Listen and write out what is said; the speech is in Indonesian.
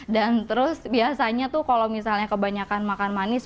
dan terus biasanya kalau misalnya kebanyakan makan manis